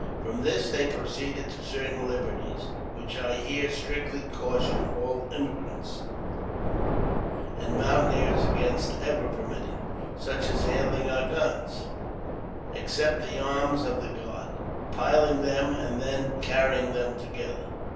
From this they proceeded to certain libarties (which I here strictly caution all emigrants and mountaineers against ever permitting), such as handling our guns, except the arms of the guard, piling them, and then carrying them together.